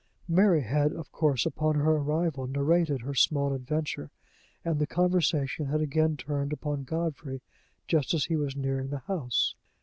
Mary had, of course, upon her arrival, narrated her small adventure, and the conversation had again turned upon Godfrey just as he was nearing the house.